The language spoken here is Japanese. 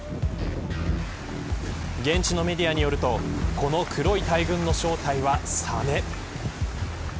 現地のメディアによるとこの黒い大群の正体はサメ。